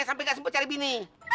sampai gak sebut cari bini